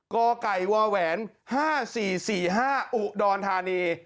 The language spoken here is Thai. กว๕๔๔๕อุดรธานี